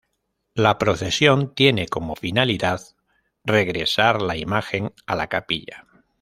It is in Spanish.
La procesión tiene como finalidad regresar la imagen a la capilla.